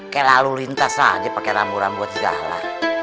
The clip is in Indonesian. kayak lalu lintas aja pake rambu rambu segala